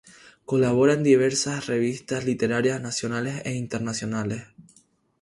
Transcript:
Colabora en diversas revistas literarias nacionales e internacionales.